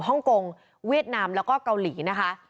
ฮ่องกงเวียดนามแล้วก็เกาหลีนะคะ